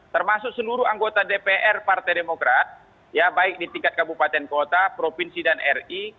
termasuk seluruh anggota dpr partai demokrat ya baik di tingkat kabupaten kota provinsi dan ri